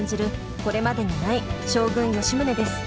これまでにない将軍・吉宗です。